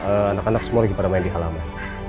anak anak semua lagi pada main di halaman